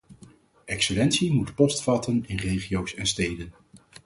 Excellentie moet postvatten in regio's en steden.